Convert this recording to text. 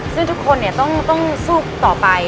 ซึ่งทุกคนต้องสู้ต่อไป